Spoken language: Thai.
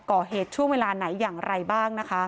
ก่อเหตุช่วงเวลาไหนอย่างไรบ้างนะคะ